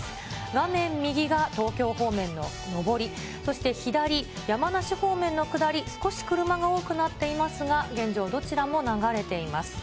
画面右が東京方面の上り、そして左、山梨方面の下り、少し車が多くなっていますが、現状、どちらも流れています。